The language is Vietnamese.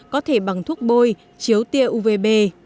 có thể bằng thuốc bôi chiếu tia uvb